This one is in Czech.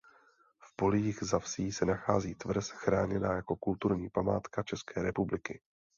V polích za vsí se nachází tvrz chráněná jako kulturní památka České republiky.